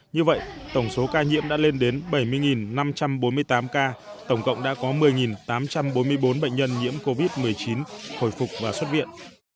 như vậy tổng số ca nhiễm đã lên đến bảy mươi năm trăm bốn mươi tám ca tổng cộng đã có một mươi tám trăm bốn mươi bốn bệnh nhân nhiễm covid một mươi chín hồi phục và xuất viện